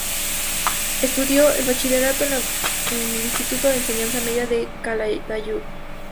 Estudió el bachillerato en el Instituto de Enseñanza Media de Calatayud.